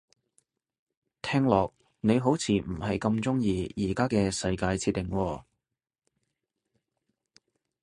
聽落你好似唔係咁鍾意而家嘅世界設定喎